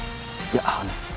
いやあの。